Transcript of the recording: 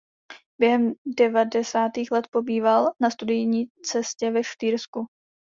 Během devadesátých let pobýval na studijní cestě ve Štýrsku.